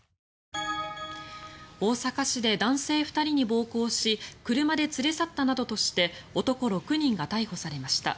大阪市で男性２人に暴行し車で連れ去ったなどとして男６人が逮捕されました。